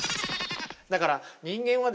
だから人間はですね